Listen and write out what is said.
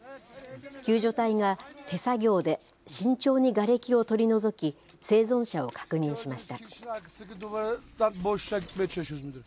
救助隊が手作業で慎重にがれきを取り除き、生存者を確認しました。